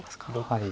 はい。